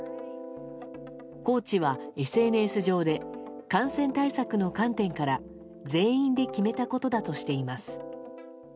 コーチは、ＳＮＳ上で感染対策の観点から全員で決めたことだとしています。